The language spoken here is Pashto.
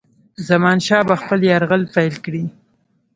زمانشاه به خپل یرغل پیل کړي.